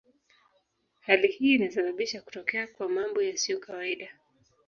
Hali hii inasababisha kutokea kwa mambo yasiyo kawaida.